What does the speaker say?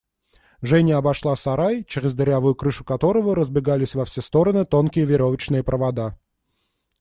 Женя обошла сарай, через дырявую крышу которого разбегались во все стороны тонкие веревочные провода.